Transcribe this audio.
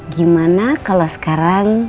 gimana kalau sekarang